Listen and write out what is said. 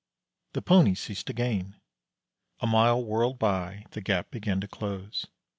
The Pony ceased to gain. A mile whirled by; the gap began to close.